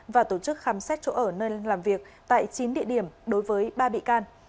và tổ chức khám xét chỗ ở nơi làm việc tại chín địa điểm đối với ba bị can